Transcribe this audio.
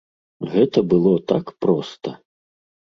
Гэта было так проста.